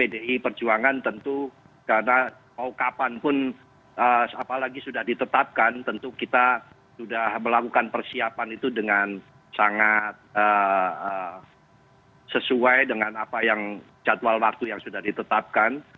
karena mau kapan pun apalagi sudah ditetapkan tentu kita sudah melakukan persiapan itu dengan sangat sesuai dengan apa yang jadwal waktu yang sudah ditetapkan